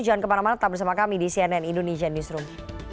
jangan kemana mana tetap bersama kami di cnn indonesia newsroom